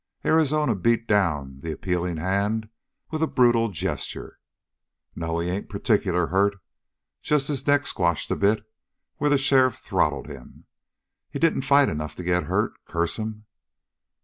Arizona beat down the appealing hand with a brutal gesture. "No, he ain't particular hurt. Just his neck squashed a bit where the sheriff throttled him. He didn't fight enough to get hurt, curse him!"